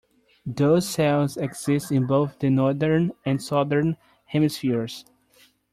Those cells exist in both the northern and southern hemispheres.